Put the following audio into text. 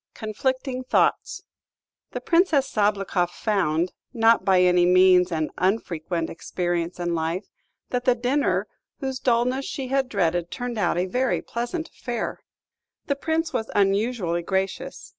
CONFLICTING THOUGHTS The Princess Sabloukoff found not by any means an unfrequent experience in life that the dinner, whose dulness she had dreaded, turned out a very pleasant affair. The Prince was unusually gracious.